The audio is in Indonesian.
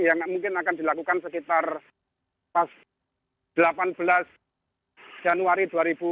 yang mungkin akan dilakukan sekitar pas delapan belas januari dua ribu dua puluh